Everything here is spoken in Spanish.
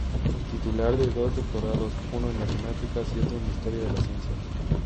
Titular de dos doctorados: uno en matemáticas y otro en historia de la ciencia.